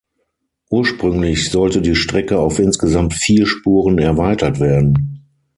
Ursprünglich sollte die Strecke auf insgesamt vier Spuren erweitert werden.